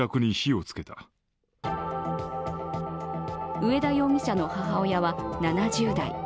上田容疑者の母親は７０代。